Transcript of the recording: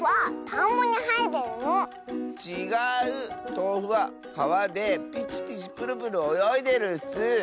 とうふはかわでピチピチプルプルおよいでるッス！